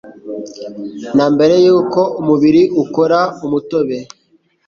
na mbere y’uko umubiri ukora umutobe